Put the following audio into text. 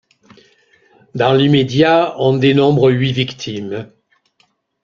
Dans l'immédiat, on dénombre huit victimes.